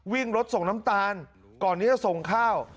วิ่งรถส่งน้ำตาลก่อนที่จะส่งข้าว